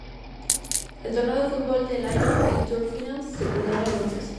El torneo de final de año, el Tour Finals, se trasladó a Londres.